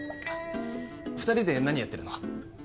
二人で何やってるの？